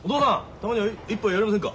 たまには一杯やりませんか。